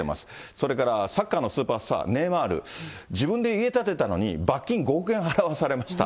それからサッカーのスーパースター、ネイマール、自分で家建てたのに、罰金５億円払わされました。